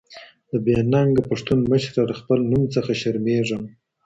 د بې ننګه پښتون مشره له خپل نوم څخه شرمېږم